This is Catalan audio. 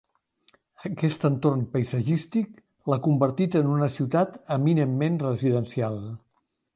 Aquest entorn paisatgístic l'ha convertit en una ciutat eminentment residencial.